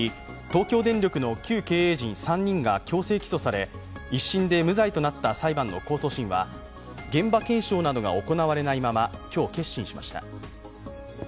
東京電力の旧経営陣３人が強制起訴され、１審で無罪となった裁判の控訴審は現場検証などが行われないまま今日、結審しました。